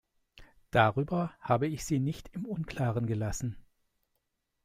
Darüber habe ich sie nicht im Unklaren gelassen.